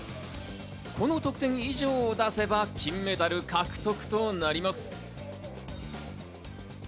この得点以上を出せば金メダル獲得となります。